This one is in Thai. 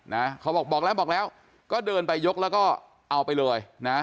นะเขาบอกบอกแล้วบอกแล้วก็เดินไปยกแล้วก็เอาไปเลยนะ